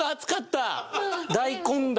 大根だ。